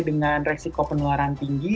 dengan resiko penularan tinggi